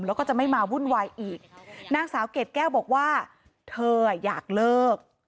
แล้วก็จะไม่มาวุ่นวายอีกนางสาวเกรดแก้วบอกว่าเธออยากเลิก